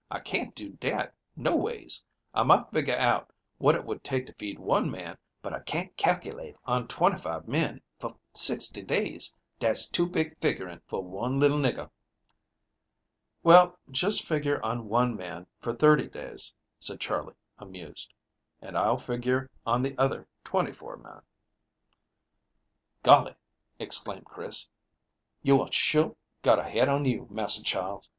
"I can't do dat, noways. I might figure out what it would take to feed one man, but I can't calculate on twenty five men for sixty days. Dat's too big figuring for one little nigger." "Well, just figure on one man for thirty days," said Charley, amused, "and I'll figure on the other twenty four men." "Golly," exclaimed Chris, "youah sure got a head on you, Massa Charles.